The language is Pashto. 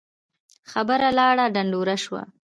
خبره لاړه ډنډوره سوه